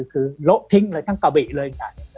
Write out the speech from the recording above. คือละทิ้งเลยทั้งกะบิเลย